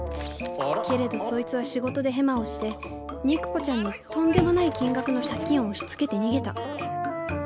けれどそいつは仕事でヘマをして肉子ちゃんにとんでもない金額の借金を押しつけて逃げた。